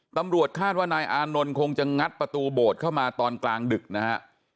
ตำรวจคาดว่านายอานนท์คงจะงัดประตูโบสถ์เข้ามาตอนกลางดึกนะฮะ